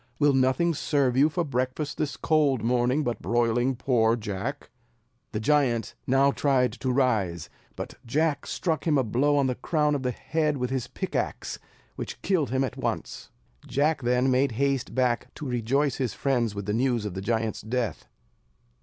Will nothing serve you for breakfast this cold morning but broiling poor Jack?" The giant now tried to rise, but Jack struck him a blow on the crown of the head with his pickaxe, which killed him at once. Jack then made haste back to rejoice his friends with the news of the giant's death.